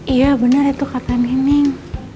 iya bener itu kata neneng